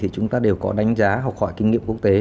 chúng ta đều có đánh giá hoặc khỏi kinh nghiệm quốc tế